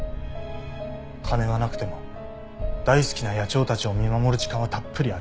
金はなくても大好きな野鳥たちを見守る時間はたっぷりある。